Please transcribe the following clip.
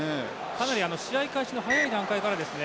かなり試合開始の早い段階からですね